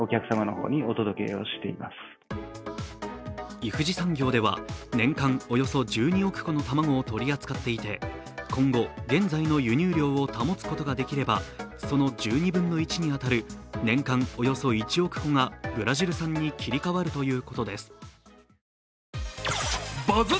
イフジ産業では年間およそ１２億個の卵を取り扱っていて、今後、現在の輸入量を保つことができればその１２分の１に当たる年間およそ１億個がブラジル産に切り替わるということです。